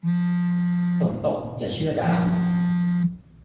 ฝนตกอย่าเชื่อดาว